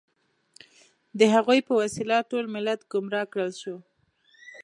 د هغوی په وسیله ټول ملت ګمراه کړل شو.